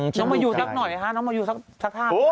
น้องมายูสักหน่อยน้องมายูสักท่านนะ